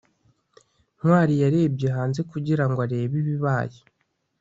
ntwali yarebye hanze kugira ngo arebe ibibaye